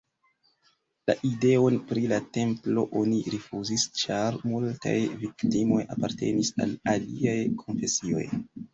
La ideon pri la templo oni rifuzis, ĉar multaj viktimoj apartenis al aliaj konfesioj.